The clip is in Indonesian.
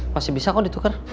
masih bisa kok dituker